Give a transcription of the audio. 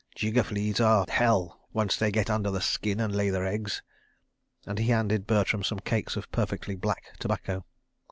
Jigger fleas are, hell, once they get under the skin and lay their eggs. .." and he handed Bertram some cakes of perfectly black tobacco.